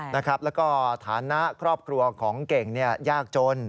แล้วก็ฐานะครอบครัวของเก่งยากจน